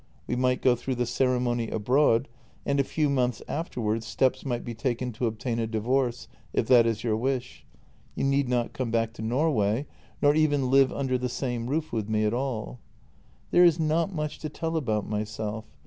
We might go through the ceremony abroad, and a few months afterwards steps might be taken to obtain a divorce, if that is your wish; you need not come back to Norway, nor even live under the same roof with me at all. " There is not much to tell about myself.